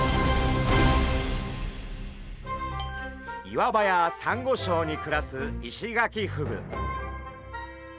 岩場やサンゴ礁に暮らすイシガキフグ。